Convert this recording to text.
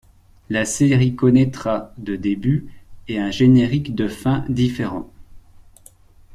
La série connaîtra de début, et un générique de fin différent.